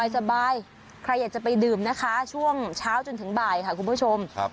สบายใครอยากจะไปดื่มนะคะช่วงเช้าจนถึงบ่ายค่ะคุณผู้ชม